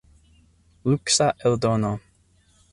Luksa eldono.